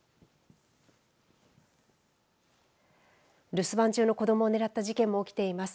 留守番中の子どもを狙った事件も起きています。